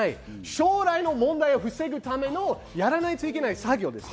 将来の問題を防ぐための、やらないといけない作業です。